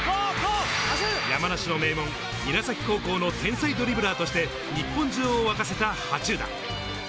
山梨の名門・韮崎高校の天才ドリブラーとして、日本中を沸かせた羽中田。